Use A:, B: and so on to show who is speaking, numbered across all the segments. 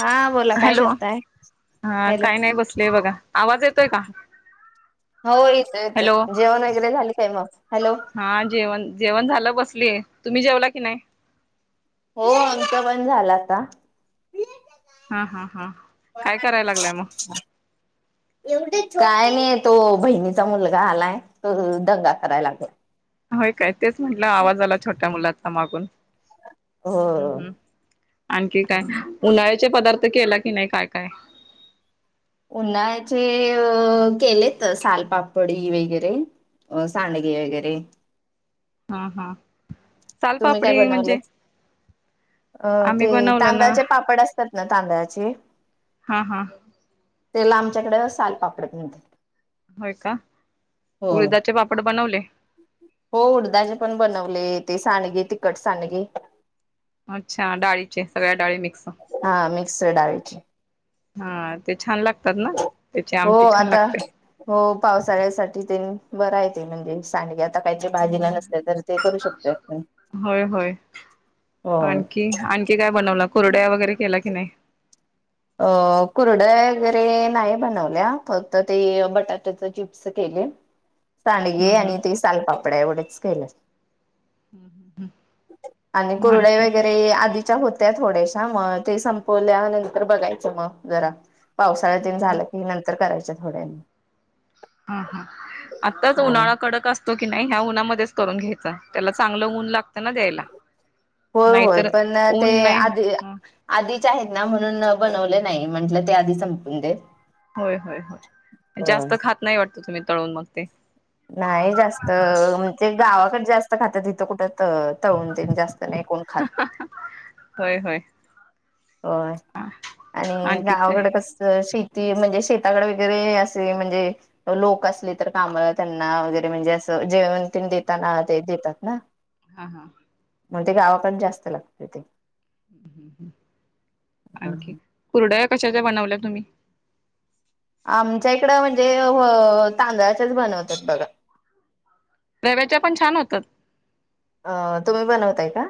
A: हा बोला काय
B: हॅलो!
A: करताय
B: ह
A: हॅलो
B: काय नाही बसलेय बघा. आवाज येतोय का?
A: हो इथ येत
B: हॅलो
A: जेवण वगैरे झाले काय मग. हॅलो!
B: हा जेवण जेवण झालं बसली तुम्ही जेवला की नाही?
A: हो आमचं पण झाला आता.
B: हा हा हा काय करायला लागलाय मग
A: एवढेच काय? तो बहिणीचा मुलगा आलाय तो दंगा करायला लागला.
B: होय काय तेच म्हटलं आवाज आला छोट्या मुलाचा मागून. हम्म
A: हो
B: हम् आणखी काय उन्हाळ्यात. पदार्थ केला की नाही काय, काय?
A: उन्हाळ्याचे केलेत सालपापडी वगैरे... अ सांडगे वगैरे
B: हा हा चाल
A: तुम्ही काय
B: पापडी
A: बनवले
B: म्हणजे?
A: अ
B: आम्ही
A: ते
B: बनवलं ना
A: तांदळाचे पापड असतात ना तांदळाचे.
B: हा, हा..
A: त्याला आमच्याकडे सालपापड म्हणतात.
B: होय का
A: हो
B: उळदाचे पापड बनवले.
A: हो उडदाचेे पण बनवले ते सांडगे तिखट सांडगे.
B: अच्छा डाळीचे सगळ्या डाळी मिक्स.
A: हा मिक्स डाळीची.
B: हा ते छान लागत.
A: हो आता हो पावसाळ्यासाठी ते बरा आहे. म्हणजे सांडगे आता काहीच्या भाजीला
B: होय
A: नसते तर ते करू शकत.
B: होय होय आणखी आणखी काय बनवला कोरड्या वगैरे केला की नाही
A: अ कुरड्या वगैरे नाही बनवल्या फक्त ते बटाट्याचे चिप्स केले.
B: ह
A: सांडगे आणि ते सालपापड एवढेच केलं.
B: हम्म
A: आणि कुरडे
B: आणखी
A: वगैरे आधी. होत्या थोड्याशा मग ते संपल्या नंतर बघायच मग जरा. पावसाळ्या दिन झालं की नंतर करायच थोड्यानी.
B: हा हा आत्ताच
A: हा
B: उन्हाळा कडक असत. तो की नाही ह्या उन्हामध्येच करून घ्यायचाय त्याला चांगलं ऊन लागतं ना द्यायला.
A: होय, होय
B: नाहीतर
A: पण
B: ऊन
A: ते
B: नाही
A: आधी
B: ह
A: आधीच आहेत ना म्हणून. बनवले नाही म्हंटलं ते आधी संपून द.
B: होय, होय हो जास्त खात नाही वाटत तुम्ही तळून मग ते.
A: नाही जास्त म्हणजे गावाकडे जास्त खातात तथं कुठं तळून ते जास्त नाही कोण खात.
B: होय होय.
A: होय आणि
B: आणखी काय
A: गावाकडे कस शेती. ती म्हणजे शेताकडे वगैरे असे म्हणजे लोक असले तर काम त्यांना वगैरे म्हणजे अस. जेवण तिन दताना ते देतात ना
B: हां हां.
A: मग ते गावाकडडे जास्त लागते ते हा
B: आणखी
A: हा.
B: कुरड्याय कशाच्या बनवल्या तुम्ही?
A: आमच्या इकडं म्हणजे हो तांदळाच्याच बनवतात बघा.
B: रव्याच्या पण छान होतात.
A: अ तुम्ही बनवताय का?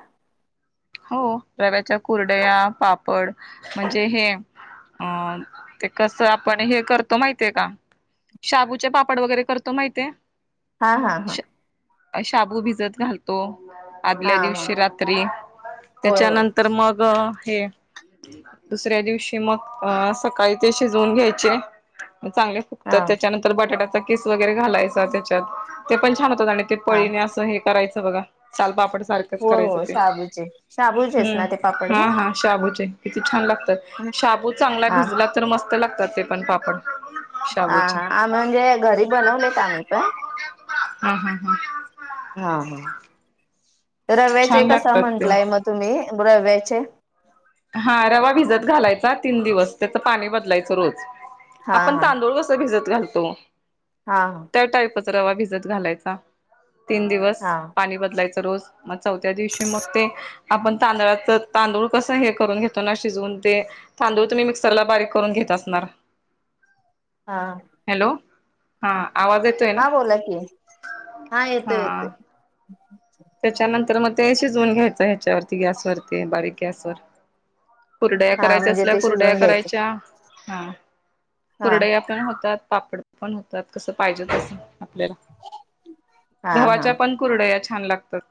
B: हो रव्याच्या कुरडया पापड म्हणजे हे अं ते कसं आपण हे करतो माहितीय का? शाबूचे पापड वगैरे करतो माहितेय?
A: हा हा हा.
B: शाबू भिजत घालतो
A: हा
B: आदल्या
A: हा
B: दिवशी रात्री
A: होय होय
B: त्याच्यानंतर मग हे दुसऱ्या दिवशी मग अ सकाळी ते शिजवून घ्यायचे. चांगले
A: हा
B: फुगतात त्याच्यानंतर बटाट्याचा कीस वगैरे घालायचा त्याच्यात ते पण छान आणि ते
A: हा
B: पळीने असं हे करायचं बघा चाल पापड सारखंच
A: होय
B: करायचं
A: होय
B: ते.
A: शाबूचे शाबूचेच ना ते पापड
B: हम्म हां
A: मग
B: हां शाबूचे किती छान लागतात. शाबू चांगला
A: हा
B: भिजला तर, मस्त लागतात ते पण पापड.
A: आ
B: शाबूचे
A: हा आमी म्हणजे घरी बनवलेत आम्हीं पण
B: हम्म हम्म हम्म.
A: हा हा तर रव्याचे
B: छान
A: कसा
B: लागतात ते.
A: म्हंटलाय म तुम्ही? रव्याचे?
B: हा रवा भिजत घालायचा तीन दिवस, त्याचं पाणी बदलायचं रोज.
A: हा
B: आपण
A: हा
B: तांदूळ कस भिजत घालतो,
A: हा हा
B: त्या टाईपच रवा भिजत घालायचा तीन दिवस.
A: हा
B: पाणी बदलायच रोज म चौथ्या दिवशी मग ते आपण तांदळाच तांदूळ कसं हे कर रून घेतो ना शिजून ते तांदूळ तुम्ही मिक्सरला बारीक करून घेत असणारं.
A: हा.
B: [inaudible] ना
A: हा बोला की हा येतोय येतोय.
B: त्याच्यानंतर मग ते शिजवून घ्यायचं ह्याच्यावरती गॅस वरती बारीक गॅसवर. कुरडया
A: हा
B: करायच्या
A: म्हणजे
B: असल्या
A: ते
B: कुरडया
A: शिजवून घ्यायचं
B: करायच्या हा
A: हा
B: कुरडया पण होतात, पापड पण होतात, कसं पाहिजे तसं. आपल्याला,
A: हा हा
B: गव्हाच्या पणं कुरडया छान लागतात.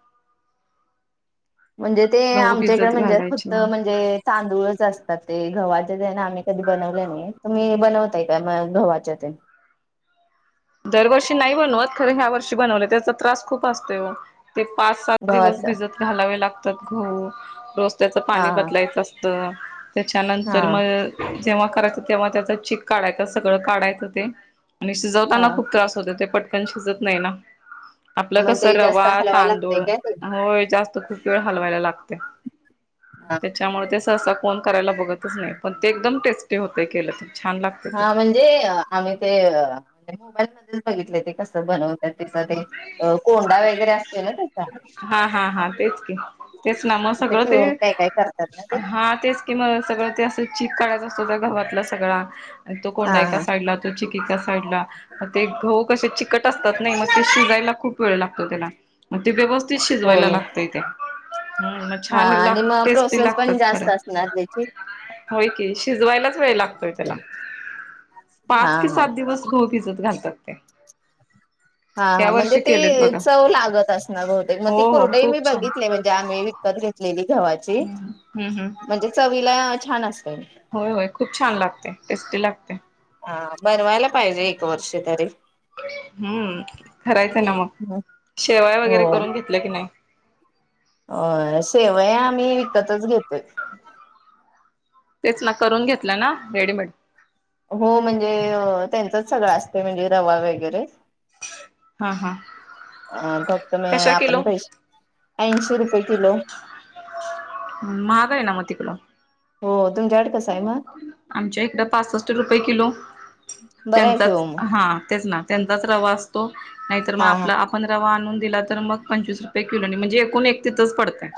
A: म्हंजे ते
B: गहू
A: आमच्या इकडे
B: भिजत
A: म्हंजे फक्त
B: घालायचे
A: म्हंजे तांदूळच असतात ते गव्हाचे ते न आम्ही कधी बनवले नाही तुम्ही बनवताय का गव्हाच्या ते?
B: दरवर्षी नाही बनवत खरं ह्या वर्षी बनवलं, त्याचा त्रास खूप असतोय ओ. ते पाच सात दिवस
A: गव्हाच
B: भिजत घालावे लागतात गहू, रोज त्याचं
A: हा
B: पाणी
A: हा
B: बदलायचं असतं तर त्याच्यानंतर
A: हा
B: मग जेव्हा करायचं तेव्हा त्याचं चीक काढायचं सगळं काढायचं ते आणि शिजवताना
A: हा
B: हो ते पटकन शिजत नाही ना. आपलं
A: मग
B: कसं
A: ते जास्त
B: रवा
A: हलवायला लागतय
B: तांदूळ
A: काय ते
B: होय जास्त खूप वेळ हलवायला लागते. त्याच्यामुळे ते सहसा कोण करायला बघतच नाही पण ते एकदम टेस्टी होतय केलं ते. छान लागते
A: हा म्हणजे आम्ही ते मोबाईल मधेच बघितले ते कस बनवतात- त्याचा ते कोंडा वगैरे असतोय ना त्याचा
B: हा सगळ ते
A: पिळून काय काय करतात ना ते
B: हा तेच कि म सगळ ते अस चिक सगळ्या घरातल्या सगळा तो
A: हा
B: कोंडा एका
A: हा
B: साईडला तो चिकी राका साईडला मग ते गदू कशे चिकट असतात नाही मग ते शिजायला खूप वेळ लागतो त्यालाग ते व्यवस्थित
A: हो
B: शिजवायला लागतय ते ह मग
A: हा
B: छान ला
A: आणि मग
B: टेस्टी
A: प्रोसेस पण
B: लागतात
A: जास्त
B: खरं
A: असणार त्याची
B: होय कि शिजवायलाच वेळ लागतोय त्याला
A: हा
B: पाच कि
A: हा
B: सात दिवस घो भिजत घालतात ते
A: हा हा
B: या
A: म्हणजे
B: वर्षी केलेत
A: ते
B: बघा
A: चव लागत अस ना बहुतेक मग
B: हो
A: ती
B: हो
A: कुर्डे मी
B: खूप छान
A: बघितले म्हणजे आम्ही घेत गव्हाची
B: हम्म हम्म
A: म्हणजे चवीला छान अस
B: होय होय खूप छान लागते टेस्टी लागते
A: हा बनवायला पाहिजे एक वर्ष तरी
B: हम्म करायचं ना मग शेवाय
A: हो
B: वगैरे करून घेतल्या की नाही
A: अ सेवय आम्ही विकतच घेतोय
B: तेच ना करून घेतलं ना रेडीमेड
A: हो म्हणजे त्यांचच सगळं असते म्हणजे रवा वगैरे
B: हा हा
A: अ फक्त म
B: कशा
A: आपण
B: किलो
A: पै ऐंशी रुपये किलो
B: ् महागा आहे ना मती कला
A: हो तुमच्याकडे कसं आहे मग
B: आमच्या इकडं पासष्ट रुपये किलो
A: बरं आहे कि
B: त्यांचाच
A: हो मग
B: हा तेच ना त्यांचाच रवा असतो नाही तर मग
A: हा हा
B: आपला आपण रवा आणून दिला तर मग पंचवीस रुपये किलो म्हणजे एकूण एक तिथंच पडतय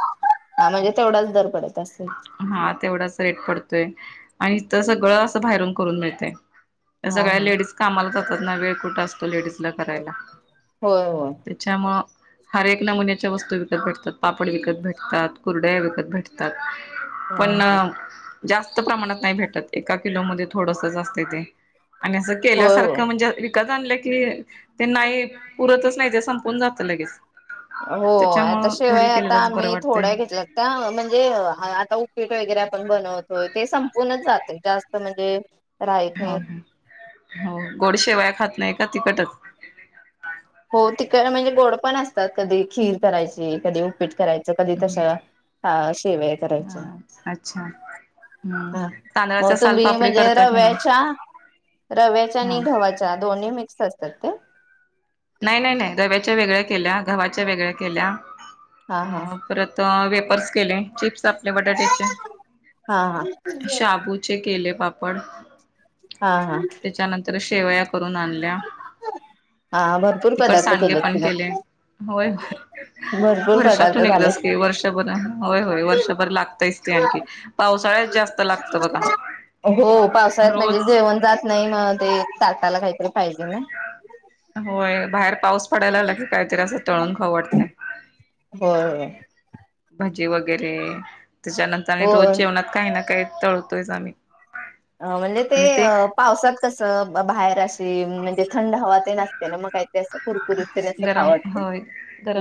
A: हा म्हणजे तेवढाच दर पडेत
B: हा तेवढा रेट पडतोय आणि इथ सगळं असं बाहेरून करून मिळतय
A: हा
B: सगळ्या
A: हा
B: लेडीज कामाला जातात ना वेळ कुठं असतो लेडीज करायला
A: होय होय
B: त्याच्यामु हर एक नमुन्याच्या वस्तू विकत भेटतात पापड विकत भेटतात कुरड्या्या विकत भेटतात पण
A: हम्म
B: जास्त प्रमाणात नाही भेटत एका किलो मध्ये थोडस जा असत ते आणि असं
A: होय होय
B: केल्यासारखं म्हणजे विकत आणलं क ते नाही पुरतच नाही ते संपून जात लगेच
A: हो
B: त्याच्यामुळं
A: आताशिवाय
B: घरी
A: आता
B: केलेलंच बरं
A: आम्ही
B: वाटतंय.
A: थोड्या घेतला त्या म्ह म्हणजे आता उपेट वगैरे आपण बनवतोय ते संपूर्णच जात जास्त म्हणजे राहत
B: हो
A: नाही
B: हो गोड शेवाया खात नाही का तिकटच
A: हो तिकडे म्हणजे गोड पण असतात कधी खीर करायची कधी उपीट करायची कधी तश ह शेवाय करायच्या
B: हा अच्छा हम्म
A: ह
B: तांदळाच्या
A: मोतुंबी
B: सालपापडी
A: म्हणजे
B: करता की नाही?
A: रव्याच्या रव्याच्या
B: हा
A: आणि गव्हाच्या दोन्ही मिक्स असतात ते
B: नाही नाही नाही दव्याच्या वेगळ्या केल्या गवा्हाच्या वेगळ्या केल्या
A: हा हा
B: परत के चिप्स आपले बटाट्याचे
A: हा हा
B: शाबूचे केले बा
A: हा हा
B: त्याच्यानंतर शेवया करून आणल्या
A: हा भरपूर
B: तिकड
A: पदार्थ
B: सांडगे
A: केलेत
B: पण
A: कि
B: केले
A: मग
B: होय होय
A: भरपूर पदार्थ
B: वर्षातून एकदाच
A: झालेत
B: क वर्षभर होय होय वर्षभर लागतच ते आणखी पावसाळ्यात जास्त लागतं बघ
A: हो पावसाळ्यात म्हणजे जेवण जात नाही मग ते तचाकायला काहीतरी पाहिजे ना
B: होय बाहेर पाऊस पडायला लाला की काहीतरी असं तळून खवडत
A: होय होय
B: भजी वगैरे त्याच्यानंतर आणि रोज
A: होय
B: जेवणात काही ना काही तळतोयच आम्ही
A: अ म्हणजे ते अ पावसात कस बाहेर अे म्हणजे थंड हवा ते नसते ना मग काही ते असं कुरकुरी
B: गरम
A: आवडते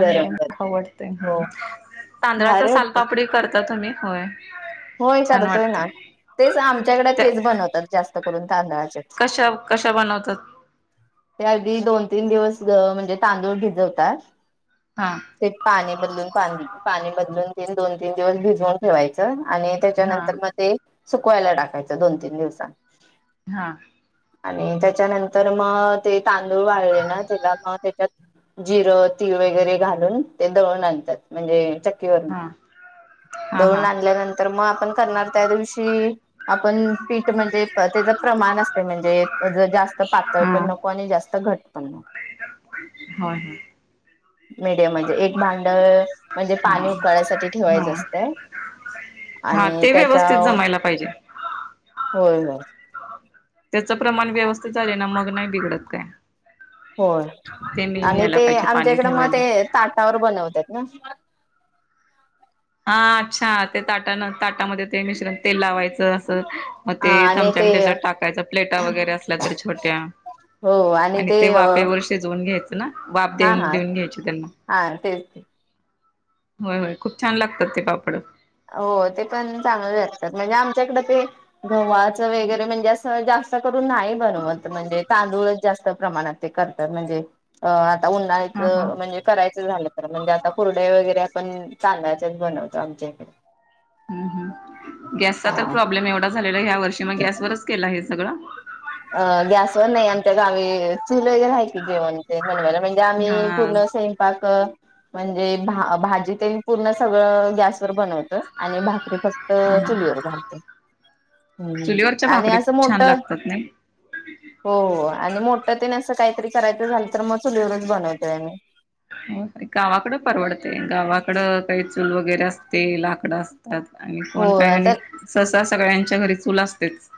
A: गरम गरम हो
B: तांदळाच
A: भारी वाटतंय
B: सालपापडी करता तुम्ही होय
A: होय
B: छान
A: करतोय
B: वाटतं
A: ना तेच आमच्याकडे
B: त्या
A: तेच बनवतात जास्त करून तांदळाचे
B: कशा कशा बनवतात
A: ते अगदी दोन तीन दिवस म्हणजे तांदूळ भिजवतात
B: हा
A: ते पानी बदलून पा बदलून तन दोन तीन दिवस भिजवून ठेवायचं आणि
B: हा
A: त्याच्यानंतर मग ते सुकवायला टाकायचं दोन तीन दिवसां
B: हा
A: आणि त्याच्यानंतर मग ते तांदूळ वळलेना त्याला मग त्याच्यात जिरं, तीळ वगैरे घालून ते दळून आणतात म्हणजे
B: हा हा
A: दळून
B: हा
A: आणल्या नंतर तर मग आपण करणार त्या दिवशी आपण पीठ म्हणजे त्याच प्रमाण असते म्हणजे जास्त पातळ
B: हा
A: पण नको आणि जास्त घट पण नको
B: हम्म
A: मीडियम म्हणजे एक भांड म्हणजे
B: हा
A: पाणी उकळायसाठी
B: हा
A: ठेवायचं असत
B: [inaudible]
A: आणि
B: ते
A: त्याच्या,
B: व्यवस्थित जमायला पाहिजे
A: होय होय
B: त्याचं प्रमाण व्यवस्थित झाले ना मग नाही बिघडत ते, काय?
A: होय
B: ते मेन
A: आणि
B: यायला
A: ते
B: पाहिजे
A: आमच्या
B: पाणी
A: इकडे मग
B: ठेवायला
A: ते ताटावर बनवतात ना
B: हा, अच्छा ते ताट ताटामध्ये ते मिश्रण तेल लावायचं मग ते
A: हा आणि
B: चमच्याने
A: ते
B: त्याच्यात टाकायचा, प्लेटा वगैरे असल्या तर छोट्या आणि ते वापेवर शिजवून घ्याय वाफ देऊन,
A: हा
B: देऊन घ्यायची त्यांना
A: हा तेच
B: होय, होय, खूप छान लागतात ते पापड
A: हो, ते पण चांगल असतात म्हणजे आम ते गव्हाच वगरे म्हणजे अस जास्त नाही बनवत म्हणजे तांदूळच जास्त प्रमाणात करतात म्हणजे उन्हाळीत,
B: हा हा
A: म्हणजे करायचं झालं तर म्हणजे आता कुरडई वगैरे पण तांदळाचेच बनवतो आमच्याकडे
B: हम्म, हम्म, गॅसचा तर
A: हा
B: प्रॉब्लेम एवढा झालेला ह्या वर्षी मग गॅस वरच केला हे सगळं?
A: अ गॅसवर नाही, आमच्या गावी चूल वगैर आहे की जेवण ते बनवायला, म्हणजे आम्ही
B: हा
A: पूर्ण स्वयंपाक म्हणजे भाजी ते पूर्ण सगळं गॅस वर बनवत आणि भाकरी फक्त
B: हा
A: चुलीवर घालते हम्म
B: चुलीवरच्या
A: आणि
B: भाकरी
A: असं
B: खूप छान
A: मोठ
B: लागतात नाही
A: हो आणि मोठ तेने असं काहीतरी करायचं झालं तर मग चुलीवरच बनवतोय आम्ही.
B: हो गावाकडे परवडते, गावाक कड, काही चूल वगैरे असते, लाकड असतात आणि
A: हो
B: कोण काही
A: आता
B: आणि सहसा सगळ्यां च्या घरी चूल असतेच.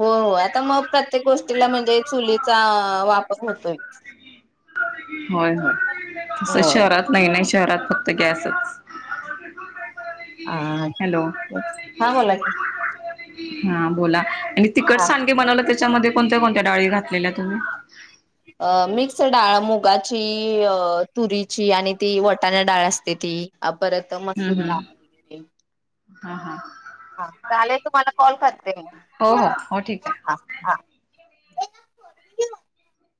A: हो, हो, आता मग प्रत्येक गोष्टीला म्हणजे चुलीचा वापर होतोय.
B: होय होय तस
A: होय
B: शहरात नाही ना शहरात फक्त गॅसच.
A: हा,
B: हॅलो
A: हा, मला बोला की
B: हा, बोला आणि तिकट
A: हा
B: सांडगे बनवलं त्याच्यामध्ये कोणत्या कोणत्या डाळी घातलेल्या तुम्ही?
A: अ, मिक्स डाळ मुगाची, तुरीची आणि ती वटाण्या डाळ असते अ, परत
B: हम्म
A: मसूर
B: हम्म
A: डाळ
B: हा हा
A: हा, चालेल तुम्हाला कॉल करते मी.
B: हो हो हो ठीक आहे
A: हा